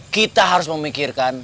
kita harus memikirkan